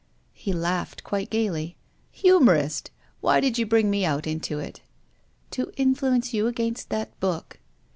He laughed quite gaily. " Humorist ! Why did you bring me out into it?" "To influence you against that book."